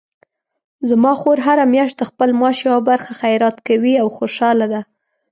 زما خور هره میاشت د خپل معاش یوه برخه خیرات کوي او خوشحاله ده